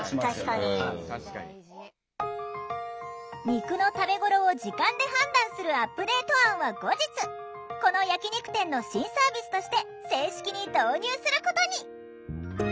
肉の食べ頃を時間で判断するアップデート案は後日この焼き肉店の新サービスとして正式に導入することに！